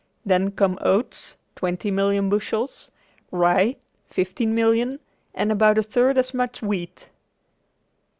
Then come oats, twenty million bushels, rye, fifteen million and about a third as much wheat.